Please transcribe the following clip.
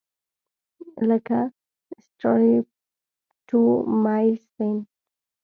لکه سټریپټومایسین.